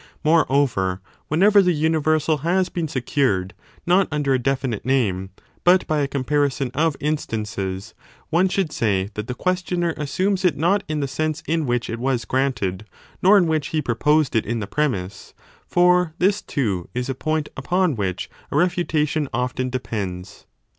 3 Moreover, whenever the universal has been secured not under a definite name, but by a comparison of instances, one should say that the questioner assumes it not in the sense in which it was granted nor in which he proposed it in the premiss : for this too is a point upon which a refuta 35 tion often depends.